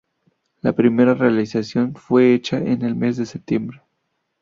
La primera realización fue hecha en el mes de septiembre.